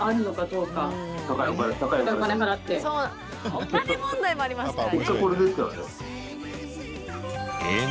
お金問題もありますからね。